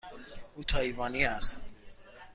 او تایوانی است.